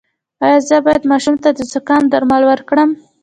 ایا زه باید ماشوم ته د زکام درمل ورکړم؟